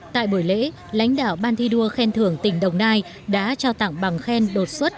tại buổi lễ lãnh đạo ban thi đua khen thưởng tỉnh đồng nai đã trao tặng bằng khen đột xuất